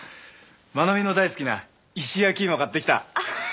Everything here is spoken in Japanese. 真奈美の大好きな石焼き芋買ってきた。